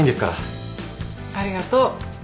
ありがとう。